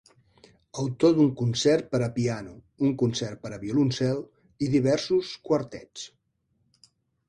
Autor d'un concert per a piano, un concert per a violoncel, i diversos quartets.